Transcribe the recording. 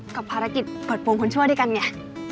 กับภารกิจเปิดโปรงคนชั่วด้วยกันไง